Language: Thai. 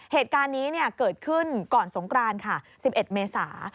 เหตุการณ์นี้เกิดขึ้นก่อนสงกรานค่ะ๑๑เมษา